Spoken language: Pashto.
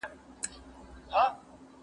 زه مخکي سندري اورېدلي وې!